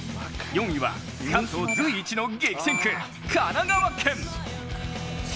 ４位は関東随一の激戦区・神奈川県。